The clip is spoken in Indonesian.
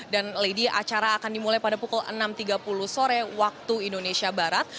dan lady acara akan dimulai pada pukul enam tiga puluh sore waktu indonesia barat